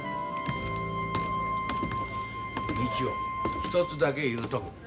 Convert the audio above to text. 道雄１つだけ言うとく。